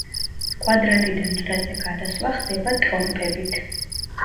კვადრატიდან წრეზე გადასვლა ხდება ტრომპებით.